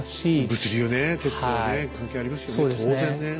物流ね鉄道ね関係ありますよね当然ね。